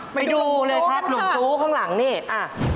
ไปดูเลยครับหนูจู๊ข้างหลังนี่